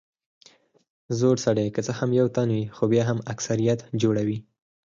زړور سړی که څه هم یو تن وي خو بیا هم اکثريت جوړوي.